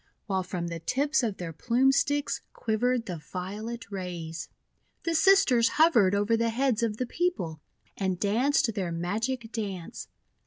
While from the tips of their Plume Sticks quivered the violet rays. The Sisters hovered over the heads of the people, and danced their magic dance.